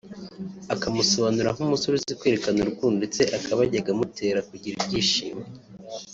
akamusobanura nk’umusore uzi kwerekana urukundo ndetse akaba yajyaga amutera kugira ibyishimo